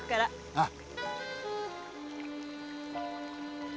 ああ。